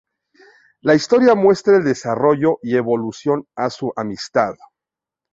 La historia muestra el desarrollo y evolución de su amistad.